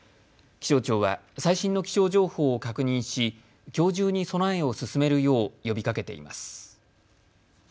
気象庁は最新の気象情報を確認しきょう中に備えを進めるよう呼びかけています。